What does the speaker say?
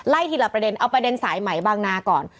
ทีละประเด็นเอาประเด็นสายไหมบางนาก่อน